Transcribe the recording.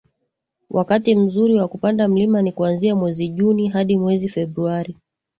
wakati mzuri kwa kupanda mlima ni kuanzia mwezi Juni hadi mwezi Februari